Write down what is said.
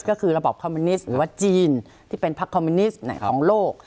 ก็คือระบบคอมมิวนิสต์หรือว่าจีนที่เป็นพักคอมมิวนิสต์ของโลก